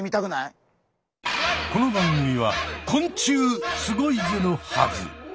この番組は「昆虫すごいぜ！」のはず。